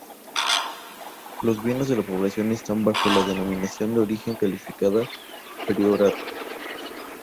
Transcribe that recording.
Los vinos de la población están bajo la denominación de origen calificada Priorato.